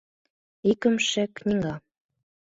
ИКЫМШЕ КНИГА